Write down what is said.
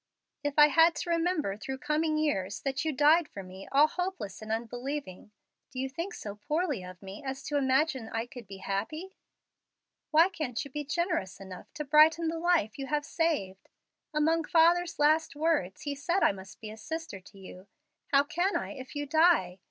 If I had to remember through coming years that you died for me all hopeless and unbelieving, do you think so poorly of me as to imagine I could be happy? Why can't you be generous enough to brighten the life you have saved? Among my father's last words he said I must be a sister to you. How can I if you die?